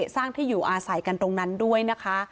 สร้างที่อยู่อาศัยกันตรงนั้นด้วยนะคะ